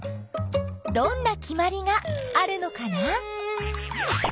どんなきまりがあるのかな？